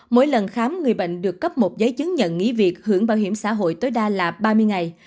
mỗi lần khám người bệnh được cấp một giấy chứng nhận nghỉ việc hưởng bảo hiểm xã hội tối đa là ba mươi ngày